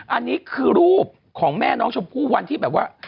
อันนี้คือรูปของแม่น้องชมพู่วันที่แบบว่า